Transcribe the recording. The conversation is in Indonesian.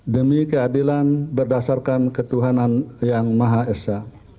demi keadilan berdasarkan ketuhanan yang maha esa